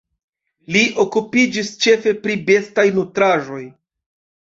Li okupiĝis ĉefe pri bestaj nutraĵoj.